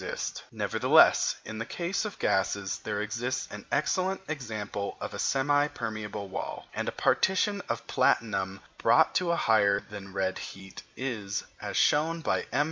] Nevertheless, in the case of gases, there exists an excellent example of a semi permeable wall, and a partition of platinum brought to a higher than red heat is, as shown by M.